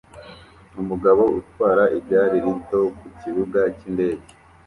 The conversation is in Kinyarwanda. Umugabo utwara igare rito ku kibuga cyindege